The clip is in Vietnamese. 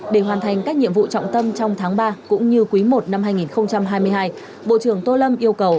để hoàn thành các nhiệm vụ trọng tâm trong tháng ba cũng như quý i năm hai nghìn hai mươi hai bộ trưởng tô lâm yêu cầu